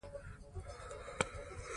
راځئ چې په مینه ژوند وکړو.